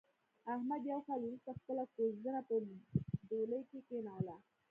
احمد یو کال ورسته خپله کوزدنه په ډولۍ کې کېنوله.